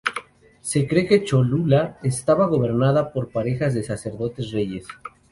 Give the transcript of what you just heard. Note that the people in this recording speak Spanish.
Se cree que Cholula estaba gobernada por parejas de sacerdotes-reyes.